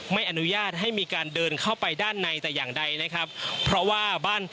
ไม่อนุญาตให้มีการเดินเข้าไปด้านในแต่อย่างใดนะครับเพราะว่าบ้าน